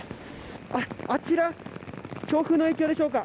あちら強風の影響でしょうか。